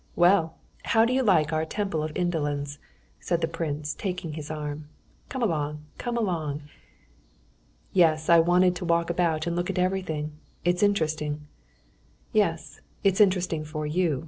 "Well, how do you like our Temple of Indolence?" said the prince, taking his arm. "Come along, come along!" "Yes, I wanted to walk about and look at everything. It's interesting." "Yes, it's interesting for you.